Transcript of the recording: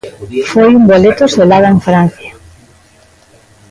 Foi un boleto selado en Francia.